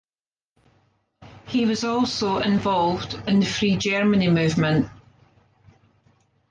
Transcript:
He was also involved in the Free Germany movement.